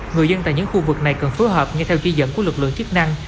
người dân tại những khu vực này cần phối hợp ngay theo ghi dẫn của lực lượng chức năng